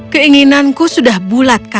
keinginanku sudah bulat kakak